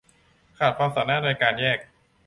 ขาดความสามารถในการแยก